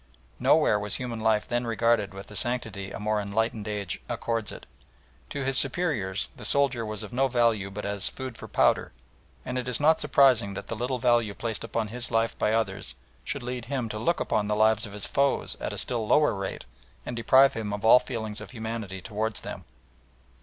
Nowhere was human life then regarded with the sanctity a more enlightened age accords it. To his superiors the soldier was of no value but as "food for powder," and it is not surprising that the little value placed upon his life by others should lead him to look upon the lives of his foes at a still lower rate and deprive him of all feelings of humanity towards them.